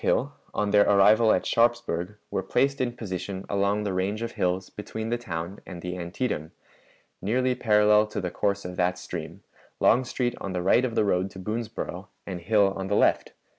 Hill, on their arrival at Sharpsburg, were placed in position along the range of hills between the town and the Antietam, nearly parallel to the course of that stream, Longstreet on the right of the road to Boonsboro and Hill on the left.